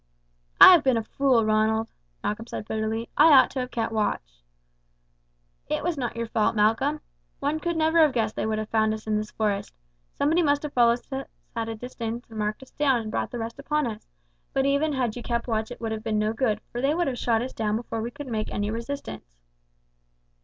"I have been a fool, Ronald," Malcolm said bitterly; "I ought to have kept watch." "It was not your fault, Malcolm. One could never have guessed that they would have found us in this forest. Somebody must have followed us at a distance and marked us down, and brought the rest upon us; but even had you kept watch it would have been no good, for they would have shot us down before we could make any resistance."